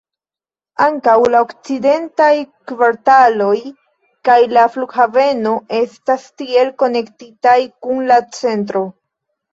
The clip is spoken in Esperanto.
Ankaŭ la okcidentaj kvartaloj kaj la flughaveno estas tiel konektitaj kun la centro.